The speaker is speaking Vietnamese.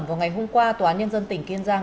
vào ngày hôm qua tòa án nhân dân tỉnh kiên giang